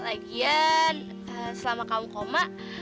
lagian selama kamu koma